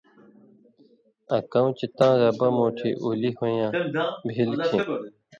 آں کؤں چے تاں ربہ مُوٹھی اُولی ہوئیں نہ بھیل کھیں،